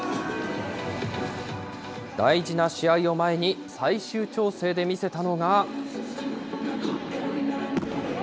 大事な試合を前に最終調整で見せたのが。